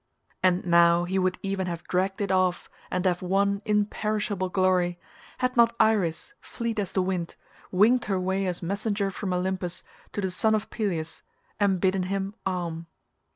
And now he would even have dragged it off and have won imperishable glory, had not Iris fleet as the wind, winged her way as messenger from Olympus to the son of Peleus and bidden him arm.